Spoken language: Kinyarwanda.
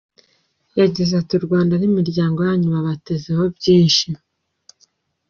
Yagize ati “U Rwanda n’imiryango yanyu babatezeho byinshi.